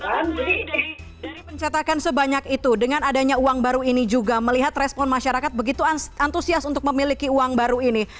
dari pencetakan sebanyak itu dengan adanya uang baru ini juga melihat respon masyarakat begitu antusias untuk memiliki uang baru ini